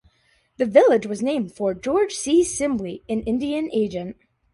The village was named for George C. Sibley, an Indian agent.